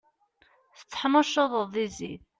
Tetteḥnuccuḍeḍ di zzit.